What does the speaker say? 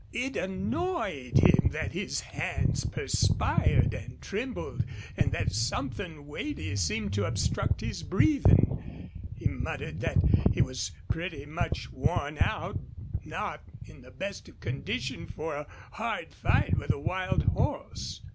It annoyed him that his hands perspired and trembled and that something weighty seemed to obstruct his breathing. He muttered that he was pretty much worn out, not in the best of condition for a hard fight with a wild horse.